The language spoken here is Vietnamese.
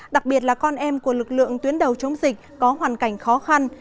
đặc biệt là con em của lực lượng tuyến đầu chống dịch có hoàn cảnh khó khăn